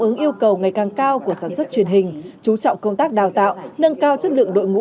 ứng yêu cầu ngày càng cao của sản xuất truyền hình chú trọng công tác đào tạo nâng cao chất lượng đội ngũ